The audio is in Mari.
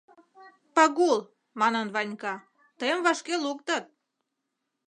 — Пагул, — манын Ванька, — тыйым вашке луктыт.